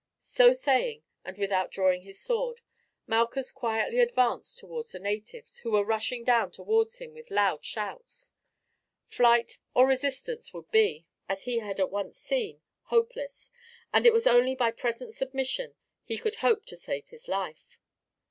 So saying, and without drawing his sword, Malchus quietly advanced towards the natives, who were rushing down towards him with loud shouts. Flight or resistance would be, as he had at once seen, hopeless, and it was only by present submission he could hope to save his life.